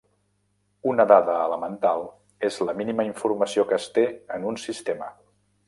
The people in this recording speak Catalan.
Una dada elemental és la mínima informació que es té en un sistema.